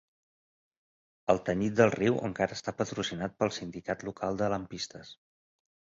El tenyit del riu encara està patrocinat pel sindicat local de lampistes.